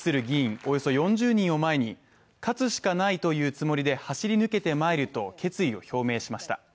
およそ４０人を前に勝つしかないというつもりで走り抜けてまいると決意を表明しました。